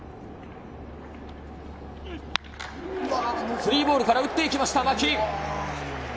３ボールから打っていきました、牧。